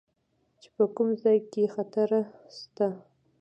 چې په کوم ځاى کښې خطره سته.